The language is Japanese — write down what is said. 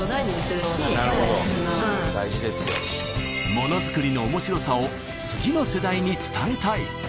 ものづくりの面白さを次の世代に伝えたい。